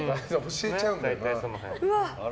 教えちゃうんだよな。